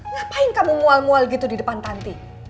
ngapain kamu mual mual gitu di depan panti